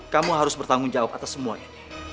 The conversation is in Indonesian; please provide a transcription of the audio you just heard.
kamu harus bertanggung jawab atas semua ini